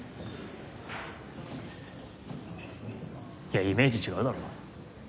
いやイメージ違うだろ。